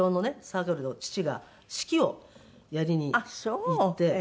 サークルの父が指揮をやりにいって。